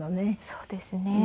そうですね。